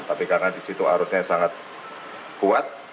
tapi karena di situ arusnya sangat kuat